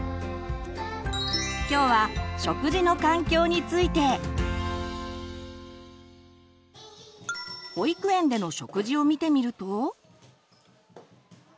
今日は保育園での食事を見てみると。